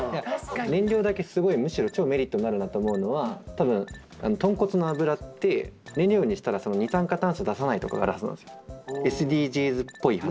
燃料だけむしろ超メリットになるなと思うのは多分とんこつの油って燃料にしたら二酸化炭素を出さないとかがあるはずなんですよ。